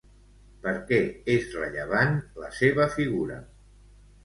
Per què és rellevant la seva figura?